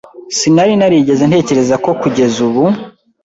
Sinari narigeze ntekereza ko kugeza ubu.